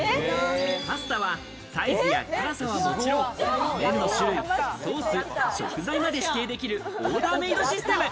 パスタはサイズや辛さはもちろん、麺の種類、ソース、食材まで指定できるオーダーメイドシステム。